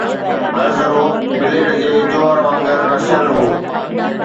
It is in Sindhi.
هر ذرو، بليڊ جي جوهر وانگر، رسيل هو